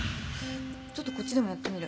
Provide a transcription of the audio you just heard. ちょっとこっちでもやってみる。